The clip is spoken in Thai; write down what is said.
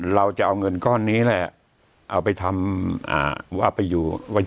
เราจะเอาเงินก้อนนี้แหละเอาไปทำว่าเอาไปอยู่ว่า